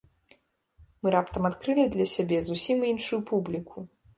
Мы раптам адкрылі для сябе зусім іншую публіку.